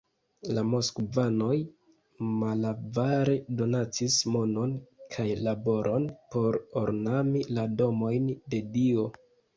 La moskvanoj malavare donacis monon kaj laboron por ornami la domojn de Dio.